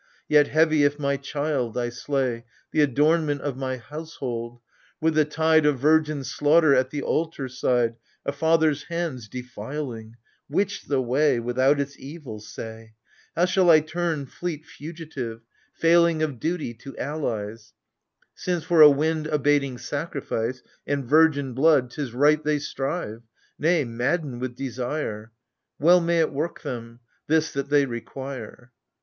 Yet heavy if my child I slay, The adornment of my household : with the tide Of virgin slaughter, at the altar side, A father's hands defiling : which the way Without its evils, say ? How shall I turn fleet fugitive. AGAMEMNON. 19 Failing of duty to allies ? Since for a wind abating sacrifice And virgin blood, — 'tis right they strive, Nay, madden with desire. Well may it work them — this that they require